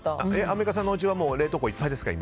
アンミカさんのおうちは冷凍庫いっぱいですか？